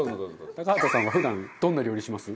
高畑さんは普段どんな料理します？